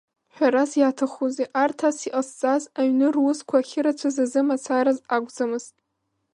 Ҳәарас иаҭахузеи, арҭ ас иҟазҵаз, аҩны русқәа ахьырацәаз азы мацараз акәӡамызт.